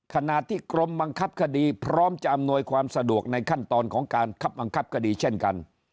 ขณะที่กรมบังคับคดีพร้อมจะอำนวยความสะดวกในขั้นตอนของการคับบังคับคดีเช่นกัน